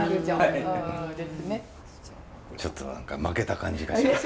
ちょっと何か負けた感じがします。